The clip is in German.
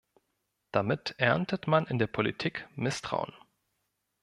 Damit erntet man in der Politik Misstrauen.